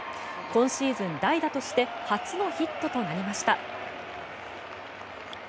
今シーズン、代打として初のヒットとなりました。